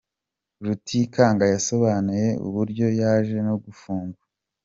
Rutikanga yasobanuye uburyo yaje no gufungwa.